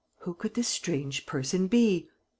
Who could this strange person be? .